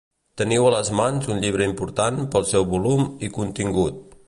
Teniu a les mans un llibre important pel seu volum i contingut